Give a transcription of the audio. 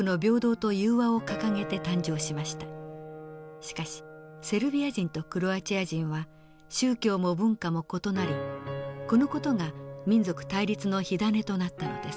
しかしセルビア人とクロアチア人は宗教も文化も異なりこの事が民族対立の火種となったのです。